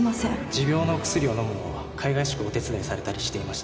持病のお薬を飲むのをかいがいしくお手伝いされたりしていましたよ